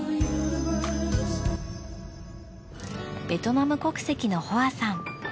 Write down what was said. ベトナム国籍のホアさん。